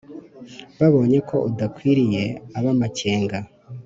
Babonye ko udakwiriye ab’amakenga